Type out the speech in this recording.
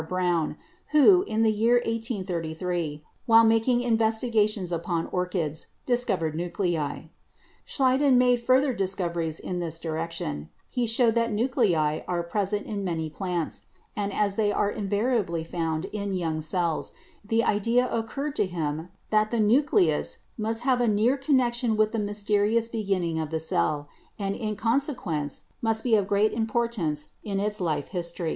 Brown, who, in the year 1833, while making investigations upon orchids, discovered nuclei. Schleiden made further discoveries in this direction; he showed that nuclei are present in many plants, and as they are invariably found in young cells, the idea occurred to him that the nucleus must have a near connection with the mysterious beginning of the cell, and in consequence must be of great importance in its life history.